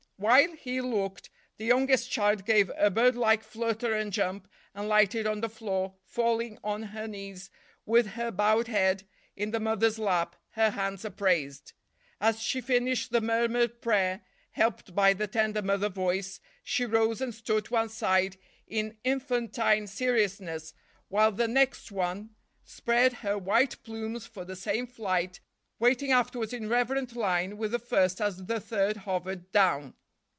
While he looked, the youngest child gave a birdlike flutter and jump, and lighted on the floor, falling on her knees, with her bowed head in the mother's lap, her hands upraised. As she finished the murmured prayer, helped by the tender mother voice, she rose and stood to one side, in infantine seriousness, while the next one spread her white plumes for the same flight, waiting afterwards in reverent line with the first as the third hovered down.